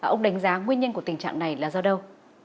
ông đánh giá nguyên nhân của tình trạng này là do đâu